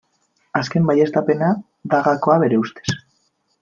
Azken baieztapena da gakoa bere ustez.